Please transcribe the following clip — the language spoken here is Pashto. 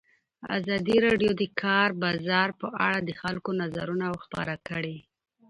ازادي راډیو د د کار بازار په اړه د خلکو نظرونه خپاره کړي.